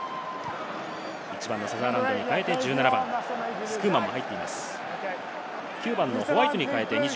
１番のサザーランドに代えて１７番・スクーマンも入っています。